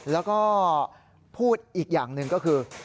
แล้วก็พูดอีกอย่างหนึ่งก็คือ